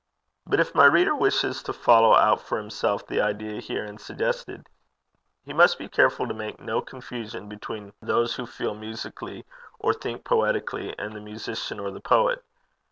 But if my reader wishes to follow out for himself the idea herein suggested, he must be careful to make no confusion between those who feel musically or think poetically, and the musician or the poet.